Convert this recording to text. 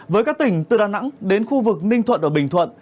với các tỉnh từ đà nẵng đến khu vực ninh thuận và bình thuận